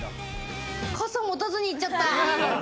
傘持たずに行っちゃった。